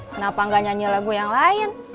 kenapa gak nyanyi lagu yang lain